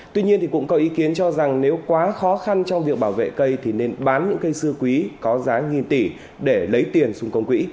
tuy nhiên cũng có ý kiến cho rằng nếu quá khó khăn trong việc bảo vệ cây thì nên bán những cây xưa quý có giá nghìn tỷ để lấy tiền xung công quỹ